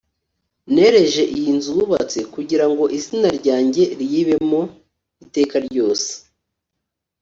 Nereje iyi nzu wubatse kugira ngo izina ryanjye riyibemo iteka ryose